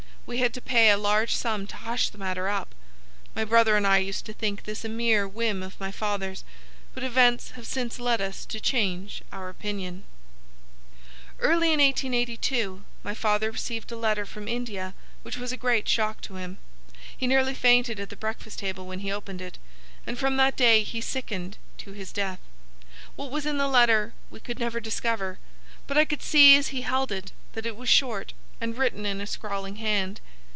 We had to pay a large sum to hush the matter up. My brother and I used to think this a mere whim of my father's, but events have since led us to change our opinion. "Early in 1882 my father received a letter from India which was a great shock to him. He nearly fainted at the breakfast table when he opened it, and from that day he sickened to his death. What was in the letter we could never discover, but I could see as he held it that it was short and written in a scrawling hand.